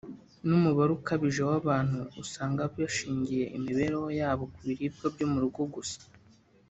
n’umubare ukabije w’abantu usanga bashingiye imibereho yabo ku biribwa byo mu rugo gusa